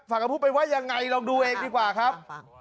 พูดไปว่ายังไงลองดูเองดีกว่าครับ